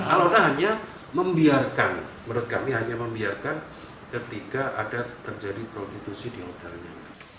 alona hanya membiarkan ketika ada terjadi prostitusi di hotelnya